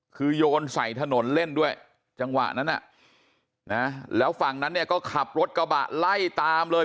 คือโยนใส่ถนนเล่นด้วยจังหวะนั้นแล้วฝั่งนั้นเนี่ยก็ขับรถกระบะไล่ตามเลย